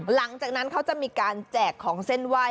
หลังจากนั้นเขาจะมีการแจกของเส้นไหว้